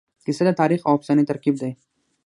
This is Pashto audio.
کیسه د تاریخ او افسانې ترکیب دی.